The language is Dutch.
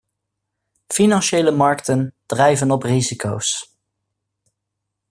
Financiële markten drijven op risico's.